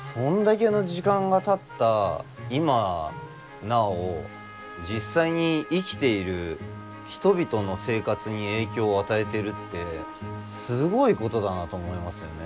今なお実際に生きている人々の生活に影響を与えてるってすごいことだなと思いますよね。